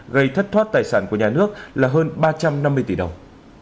gây thất thoát tài sản của nhà nước là hơn ba trăm năm mươi tỷ đồng